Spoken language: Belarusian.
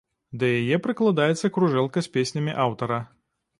Да яе прыкладаецца кружэлка з песнямі аўтара.